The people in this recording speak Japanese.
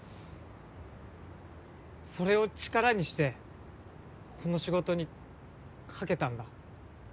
それを力にしてこの仕事に懸けたんだ。